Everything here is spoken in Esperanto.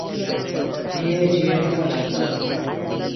Tie ĝi estas maĉita.